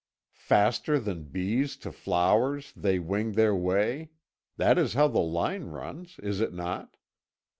'Faster than bees to flowers they wing their way;' that is how the line runs, is it not?